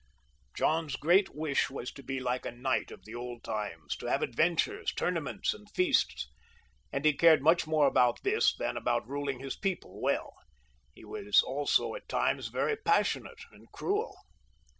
John's great wish was to be like a knight of the old times, to have adventures, *toumaments, and feasts ; and he cared much more about this than about ruling his people well. He was also at times very passionate and cruel.